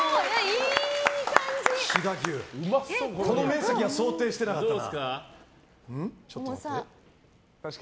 この面積は想定してなかったな。